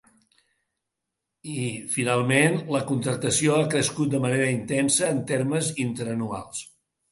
I, finalment, la contractació ha crescut de manera intensa en termes interanuals.